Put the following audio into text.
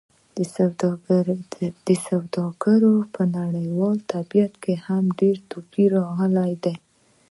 د سوداګرۍ په نړیوال طبیعت کې هم ډېر توپیر راغلی دی.